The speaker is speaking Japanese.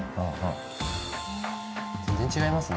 全然違いますね。